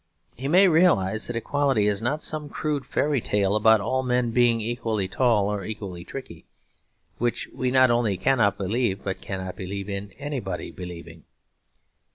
He may realise that equality is not some crude fairy tale about all men being equally tall or equally tricky; which we not only cannot believe but cannot believe in anybody believing.